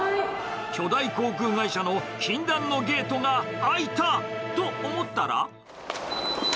巨大航空会社の禁断のゲートが開いた！と思ったら。